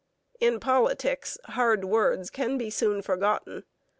In politics hard words can be soon forgotten.